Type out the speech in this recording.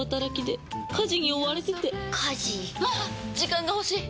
時間が欲しい！